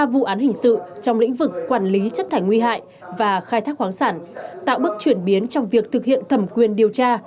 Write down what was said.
ba vụ án hình sự trong lĩnh vực quản lý chất thải nguy hại và khai thác khoáng sản tạo bước chuyển biến trong việc thực hiện thẩm quyền điều tra